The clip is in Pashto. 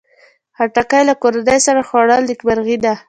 خټکی له کورنۍ سره خوړل نیکمرغي ده.